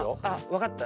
分かった。